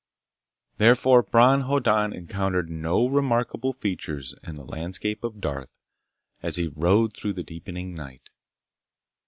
Therefore Bron Hoddan encountered no remarkable features in the landscape of Darth as he rode through the deepening night.